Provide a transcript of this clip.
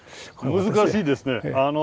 難しいですね。